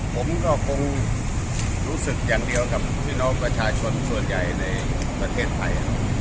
ผมก็คงรู้สึกอย่างเดียวกับพี่น้องประชาชนส่วนใหญ่ในประเทศไทย